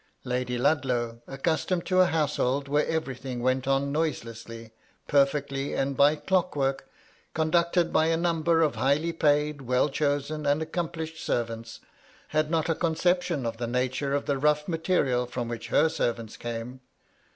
Lady Ludlow, accustomed to a household where every thing went on noiselessly, perfectly, and by clock work, conducted by a number of highly paid, well chosen, and accomplished servants, had not a conception of the nature of the rough material from which her servants came.